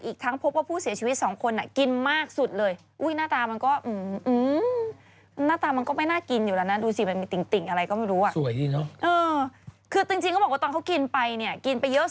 อีกทั้งพบว่าผู้เสียชีวิตสองคนกินมากสุดเลย